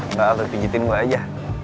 nggak apa apa pijitin gue aja